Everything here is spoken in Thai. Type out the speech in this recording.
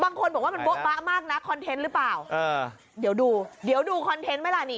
บางคนผมว่ามันมักมากนะคอนเทนต์รึเปล่าเดี๋ยวดูดูคอนเทนต์เมื่อละนี่